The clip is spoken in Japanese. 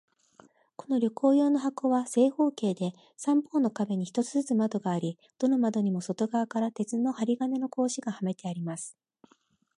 この旅行用の箱は、正方形で、三方の壁に一つずつ窓があり、どの窓にも外側から鉄の針金の格子がはめてあります。